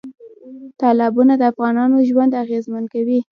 تالابونه د افغانانو ژوند اغېزمن کوي.